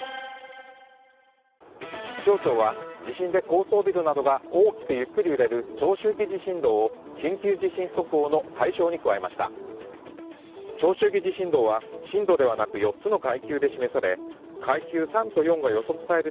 気象庁は地震で高層ビルなどが大きくゆっくり揺れる長周期地震動を緊急地震速報の対象に加えました。